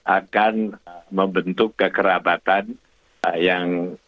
akan membentuk kekerabatan yang